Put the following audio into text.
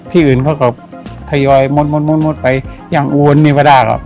ที่อื่นเขาก็พยายามมดมดมดมดไปบนอวลไม่พอได้ครับ